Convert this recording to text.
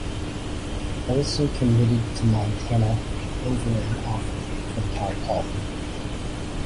Olson committed to Montana over an offer from Cal Poly.